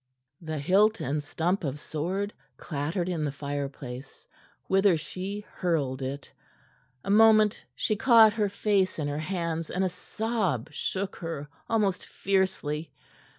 The hilt and stump of sword clattered in the fireplace, whither she hurled it. A moment she caught her face in her hands, and a sob shook her almost fiercely.